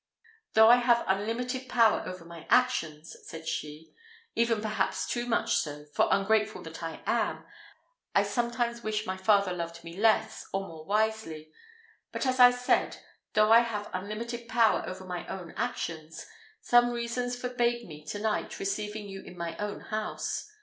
"Though I have unlimited power over my own actions," said she, "even perhaps too much so for, ungrateful that I am! I sometimes wish my father loved me less, or more wisely; but, as I said, though I have unlimited power over my own actions, some reasons forbade me to night receiving you in my own house.